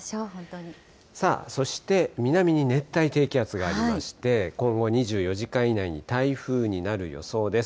さあ、そして南に熱帯低気圧がありまして、今後２４時間以内に台風になる予想です。